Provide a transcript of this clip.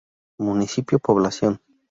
Municipio Población